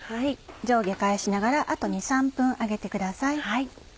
上下返しながらあと２３分揚げてください。